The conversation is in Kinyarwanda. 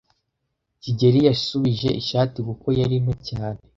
kigeli yasubije ishati kuko yari nto cyane.